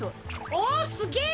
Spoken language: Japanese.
おすげえ！